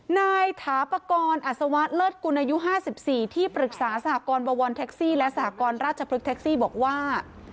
นายถาปกรอัศวะเลิศกุลอายุ๕๔ที่ปรึกษาสหกรบวรแท็กซี่และสหกรราชพฤกษ์แท็กซี่บอกว่า